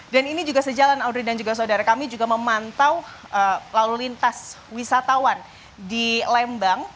dan ini juga sejalan audrey dan juga saudara kami juga memantau lalu lintas wisatawan di lembang